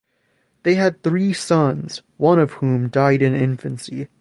They had three sons, one of whom died in infancy.